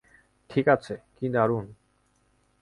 ঠিক আছে - কি দারুন।